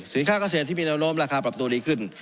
๒๐๖๔สินค้ากระเศษที่มีเนินโลมราคาปรับตัวดีขึ้น